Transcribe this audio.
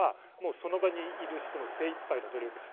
その場にいる人の精いっぱいの努力です。